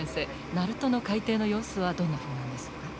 鳴門の海底の様子はどんなふうなんですか？